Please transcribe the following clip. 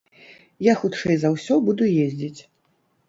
Я хутчэй за ўсё буду ездзіць.